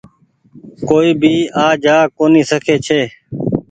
ڪوئي ڀي آج جآ ڪونيٚ سکي ڇي۔